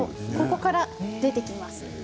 から出てきます。